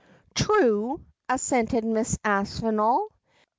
' 'True,' assented Mrs. Aspinall.